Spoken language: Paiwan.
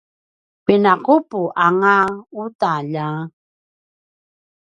pina’upu angauta lja!